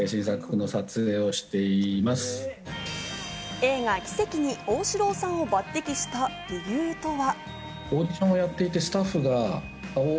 映画『奇跡』に旺志郎さんを抜擢した理由とは。